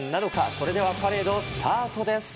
それではパレード、スタートです。